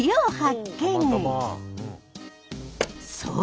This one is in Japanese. そう！